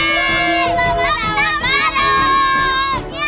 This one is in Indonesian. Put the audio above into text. yeay selamat tahun baru